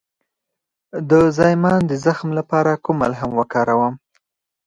د زایمان د زخم لپاره کوم ملهم وکاروم؟